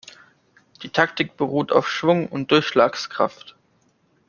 Die Taktik beruht auf Schwung und Durchschlagskraft.